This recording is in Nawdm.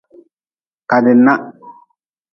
Kadi nah.